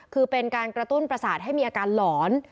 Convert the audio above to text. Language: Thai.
คือเป็นการกระตุ้นประสาทให้มีอาการหลอน